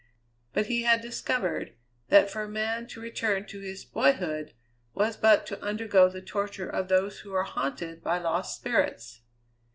But he had discovered that for a man to return to his boyhood was but to undergo the torture of those who are haunted by lost spirits.